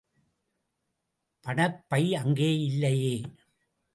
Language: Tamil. பணப்பை அங்கே இல்லையே!